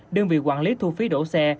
đơn vị quản lý thu phí đậu xe